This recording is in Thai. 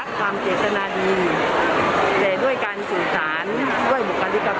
มีความรักความเจตนาดีแต่ด้วยการสูตรศาลด้วยบุคลิกภาพอ๋อ